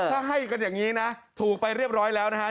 ถ้าให้กันอย่างนี้นะถูกไปเรียบร้อยแล้วนะฮะ